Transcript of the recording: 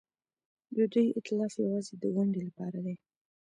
د دوی ائتلاف یوازې د ونډې لپاره دی.